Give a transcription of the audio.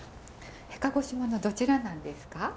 鹿児島のどちらなんですか？